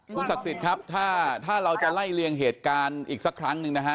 คุณศักดิ์สิทธิ์ครับถ้าเราจะไล่เลี่ยงเหตุการณ์อีกสักครั้งหนึ่งนะฮะ